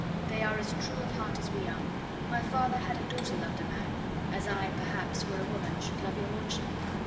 They are as true of heart as we are. My father had a daughter loved a man, as I perhaps, were I a woman, should love your lordship."